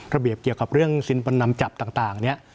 ระเบียบเกี่ยวกับเรื่องสินประนำจับต่างเนี่ย